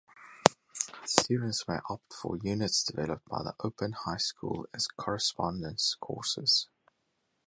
Students may opt for units developed by the Open High School as correspondence courses.